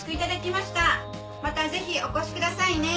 またぜひお越しくださいね。